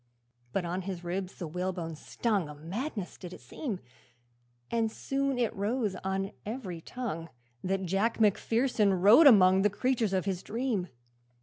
But on his ribs the whalebone stung, A madness it did seem! And soon it rose on every tongue That Jack Macpherson rode among The creatures of his dream.